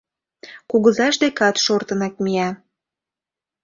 Кугызаж декат шортынак мия.